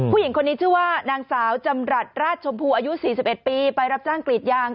ผู้หญิงคนนี้ชื่อว่านางสาวจำรัฐราชชมพูอายุ๔๑ปีไปรับจ้างกรีดยาง